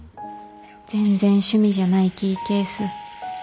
全然趣味じゃないキーケース